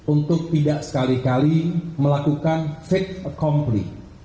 untuk tidak sekali kali melakukan fake accomply